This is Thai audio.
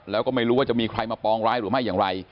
แล้วก็ไม่รู้ว่าจะมีใครมาปองร้ายหรือไม่อย่างไร